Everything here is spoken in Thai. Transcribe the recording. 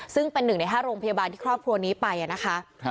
ซึ่งเป็น๑ใน๕โรงพยาบาลที่ครอบครัวนี้ไปนะคะ